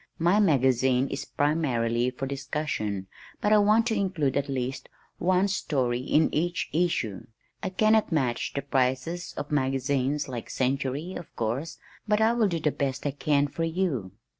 My magazine is primarily for discussion but I want to include at least one story in each issue. I cannot match the prices of magazines like the Century of course, but I will do the best I can for you."